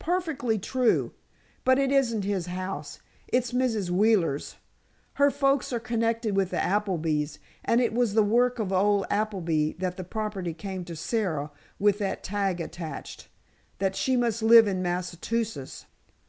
"Perfectly true. But it isn't his house, it's Mrs. Wheeler's. Her folks are connected with the Applebys and it was the work of old Appleby that the property came to Sara with that tag attached, that she must live in Massachusetts.